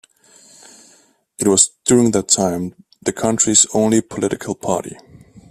It was, during that time, the country's only political party.